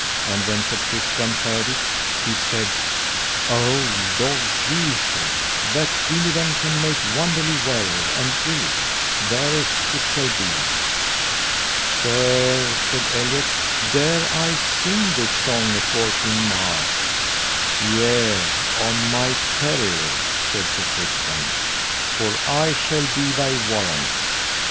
And when Sir Tristram heard it, he said: O Lord Jesu, that Dinadan can make wonderly well and ill, thereas it shall be. Sir, said Eliot, dare I sing this song afore King Mark? Yea, on my peril, said Sir Tristram, for I shall be thy warrant.